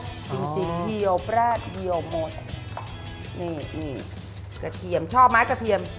จริงเหี่ยวแปลกเหี่ยวหมดนี่กระเทียมชอบไหมกระเทียม